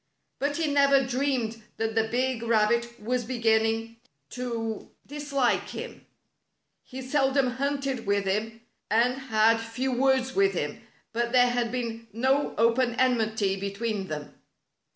But he never dreamed that the big rabbit was beginning to dis 32 Spotted Tail Shows Enmity like him. He seldom hunted with him, and ba>d few words with him, but there had been no open enmity between them.